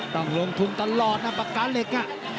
ต้องลงทุนตลอดนะปากกาเหล็ก